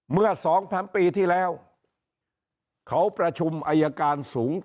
เมื่อ๒๐๐๐ปีที่แล้วเขาประชุมอายการสูง